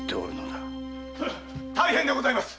大変でございます！